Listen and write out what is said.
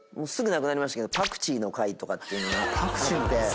すぐなくなりましたけどパクチーの会っていうのがあって。